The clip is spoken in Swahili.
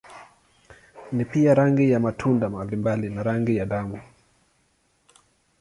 Ni pia rangi ya matunda mbalimbali na rangi ya damu.